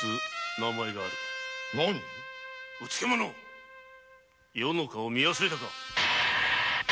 うつけ者余の顔を見忘れたか。